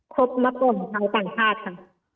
คบมาตรงไทยต่างชาติค่ะ